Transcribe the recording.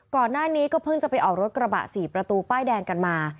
ก่อนหน้านี้ก็เพิ่งจะไปออกรถกระบะ๔ประตูป้ายแดงกันมา